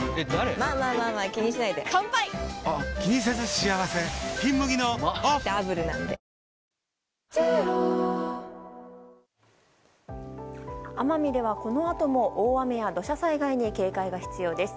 うまダブルなんで奄美ではこのあとも大雨や土砂災害に警戒が必要です。